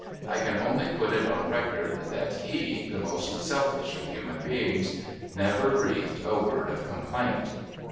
I can only put it on record that he, the most selfish of human beings, never breathed a word of complaint.